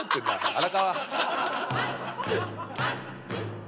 荒川！